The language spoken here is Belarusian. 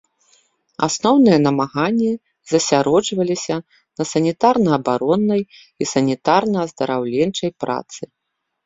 Асноўныя намаганні засяроджваліся на санітарна-абароннай і санітарна-аздараўленчай працы.